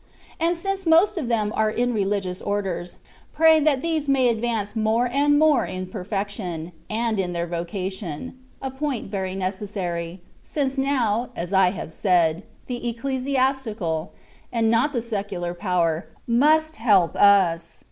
And since most of them are in rehgious Orders, pray that these may advance more and more in perfection, and in their vocation — a point very necessary; since now, as I have said, the ecclesiastical, and not the secular power, must help us.